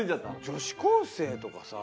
女子高生とかさ